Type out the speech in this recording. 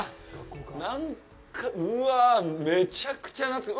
なんかめちゃくちゃ懐かしい。